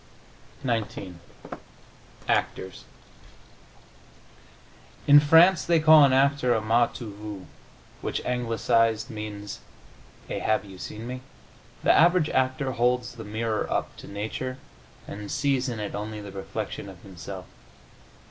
XIX ACTORS "In France they call an actor a m'as tu vu, which, anglicised, means a have you seen me?... The average actor holds the mirror up to nature and sees in it only the reflection of himself."